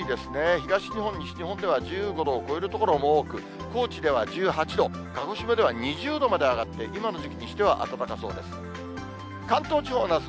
東日本、西日本では１５度を超える所も多く、高知では１８度、鹿児島では２０度まで上がって、今の時期としては暖かそうです。